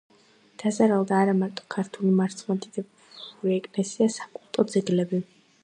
დაზარალდა არა მარტო ქართული მართლმადიდებლური ეკლესია, საკულტო ძეგლები.